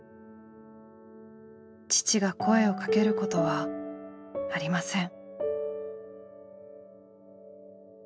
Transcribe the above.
父が声をかけることはありません。